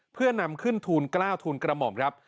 เพื่อนำขึ้นทูลกล้าวทูลกระหม่อมครับ